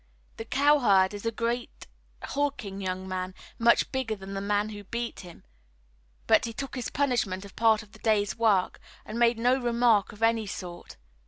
The cowherd is a great hulking young man, much bigger than the man who beat him, but he took his punishment as part of the day's work and made no remark of any sort.